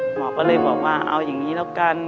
หมอก็เลยบอกว่าเอาอย่างนี้แล้วกัน